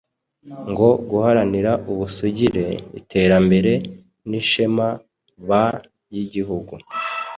no guharanira ubusugire, iterambere n’isheme b,yigihugu